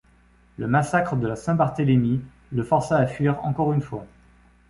Le massacre de la Saint-Barthélemy le força à fuir encore une fois.